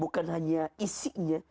bukan hanya isinya